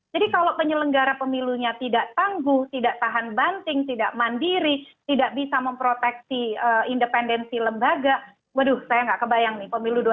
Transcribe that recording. jadi kalau penyelenggara pemilunya tidak tangguh tidak tahan banting tidak mandiri tidak bisa memproteksi independensi lembaga waduh saya nggak kebayang nih pemilu dua ribu dua puluh empat